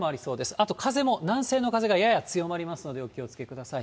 あと風も南西の風がやや強まりますのでお気をつけください。